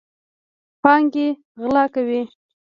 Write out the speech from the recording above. پانګې غلا کوي.